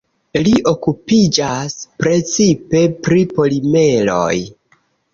Li okupiĝas precipe pri polimeroj.